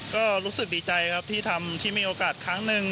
ก็รู้สึกดีใจครับที่มีโอกาสครั้งหนึ่ง